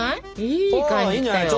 いい感じきたよ！